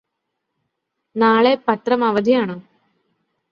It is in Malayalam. നാളെ പത്രം അവധിയാണോ